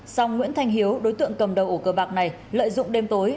sòng nguyễn thanh hiếu đối tượng cầm đầu ổ cờ bạc này lợi dụng đêm tối